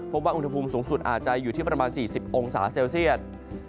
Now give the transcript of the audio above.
พบว่าอุณหภูมิสูงสุดอาจจะอยู่ที่ประมาณ๔๐องศาเซลเซียต